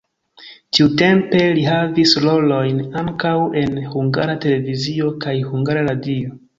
Tiutempe li havis rolojn ankaŭ en Hungara Televizio kaj Hungara Radio.